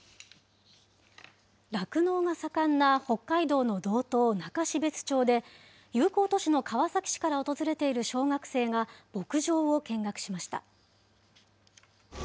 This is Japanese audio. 酪農が盛んな北海道の道東、中標津町で、友好都市の川崎市から訪れている小学生が牧場を見学しました。